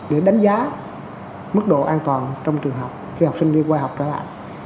để đánh giá mức độ an toàn trong trường học khi học sinh đi qua học trở lại